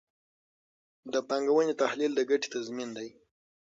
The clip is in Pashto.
د پانګونې تحلیل د ګټې تضمین دی.